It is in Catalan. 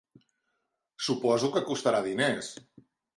Suposo que costarà diners?